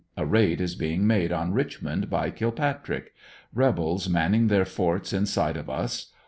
A raid is being made on Richmond by Kilpatrick, Eebels manning their forts in sight of us.